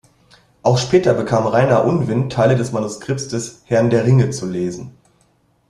Auch später bekam Rayner Unwin Teile des Manuskripts des "Herrn der Ringe" zu lesen.